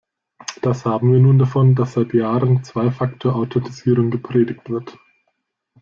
Das haben wir nun davon, dass seit Jahren Zwei-Faktor-Authentisierung gepredigt wird.